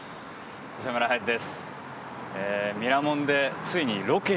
磯村勇斗です。